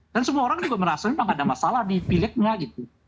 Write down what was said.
dan semua orang juga merasa memang ada masalah di pilegnya gitu